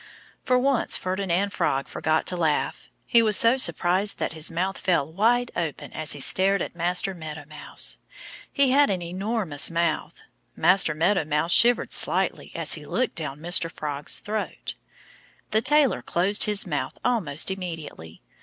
For once Ferdinand Frog forgot to laugh. He was so surprised that his mouth fell wide open as he stared at Master Meadow Mouse. He had an enormous mouth. Master Meadow Mouse shivered slightly as he looked down Mr. Frog's throat. The tailor closed his mouth almost immediately.